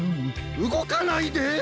うごかないで！